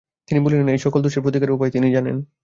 তিনি বলিলেন, এই-সকল দোষের প্রতিকারের উপায় তিনি জানেন।